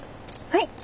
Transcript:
はい！